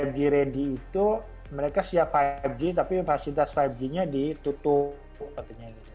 lima g ready itu mereka siap lima g tapi fasilitas lima g nya ditutup